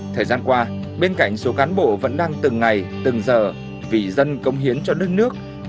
thời gian qua bên cạnh số cán bộ vẫn đang từng ngày từng giờ vì dân công hiến cho đất nước